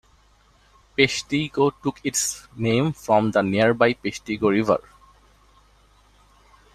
Peshtigo took its name from the nearby Peshtigo River.